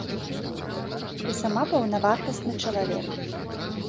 Ты сама паўнавартасны чалавек.